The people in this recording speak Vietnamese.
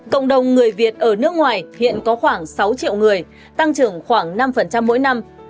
cộng đồng người việt ở nước ngoài hiện có khoảng sáu triệu người tăng trưởng khoảng năm mỗi năm